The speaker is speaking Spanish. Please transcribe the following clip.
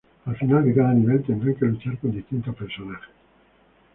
Al final de cada nivel, tendrán que luchar con distintos personajes.